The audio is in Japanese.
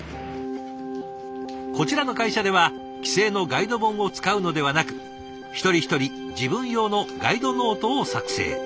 こちらの会社では既成のガイド本を使うのではなく一人一人自分用のガイドノートを作成。